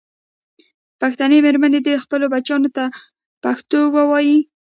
پښتنې مېرمنې دې خپلو بچیانو ته پښتو ویې ویي.